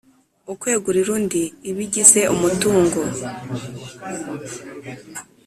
Ukwegurira undi ibigize umutungo